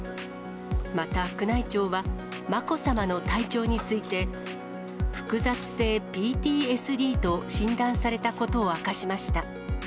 また宮内庁は、まこさまの体調について、複雑性ＰＴＳＤと診断されたことを明かしました。